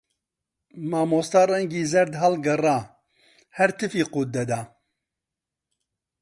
مامۆستا ڕەنگی زەرد هەڵگەڕا، هەر تفی قووت دەدا